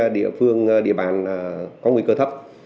địa bàn có nguy cơ thấp